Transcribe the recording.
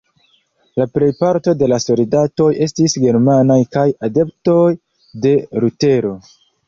La plejparto de la soldatoj estis germanaj kaj adeptoj de Lutero.